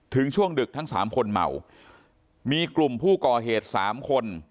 ถึงช่วงดึกทั้ง๓คนเมามีกลุ่มผู้ก่อเหตุ๓คน